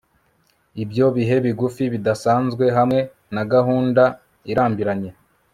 ibyo bihe bigufi bidasanzwe, hamwe na gahunda irambiranye